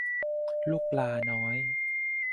ลูกปลาน้อย